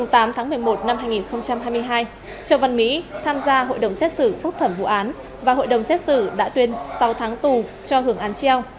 ngày tám tháng một mươi một năm hai nghìn hai mươi hai châu văn mỹ tham gia hội đồng xét xử phúc thẩm vụ án và hội đồng xét xử đã tuyên sáu tháng tù cho hưởng án treo